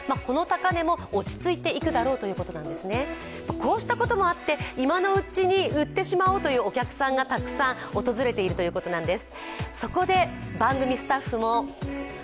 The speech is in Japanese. こうしたこともあって、今のうちに売ってしまおうというお客さんがたくさん訪れているということなんです。